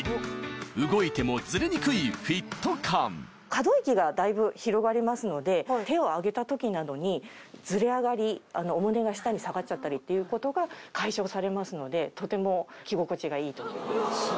可動域がだいぶ広がりますので手を上げた時などにズレ上がりお胸が下に下がっちゃったりっていうことが解消されますのでとても着心地がいいと思います。